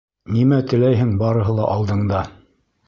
Нимә теләйһең -барыһы ла алдыңда.